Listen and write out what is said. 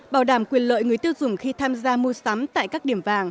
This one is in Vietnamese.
bảo đảm quyền lợi người tiêu dùng khi tham gia mua sắm